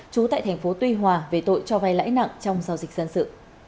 trú tại thành phố tuy hòa về tội cho vay lãi nặng trong giao dịch dân sự